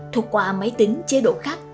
thuộc qua máy tính chế độ khách